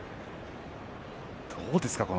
どうですか？